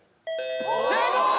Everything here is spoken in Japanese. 正解！